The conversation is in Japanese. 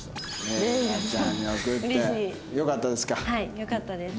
よかったですか？